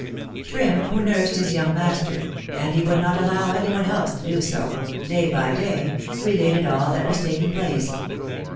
Trim, who nursed his young master and he would not allow any one else to do so day by day, related all that was taking place.